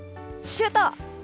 シュート。